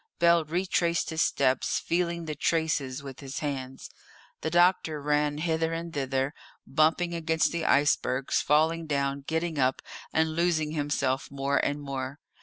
Bell retraced his steps, feeling the traces with his hands. The doctor ran hither and thither, bumping against the icebergs, falling down, getting up, and losing himself more and more.